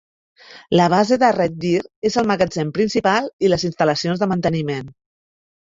La base de Red Deer és el magatzem principal i les instal·lacions de manteniment.